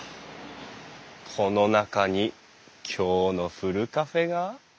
この中に今日のふるカフェが。